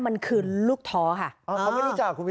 มันคือลูกท้อค่ะ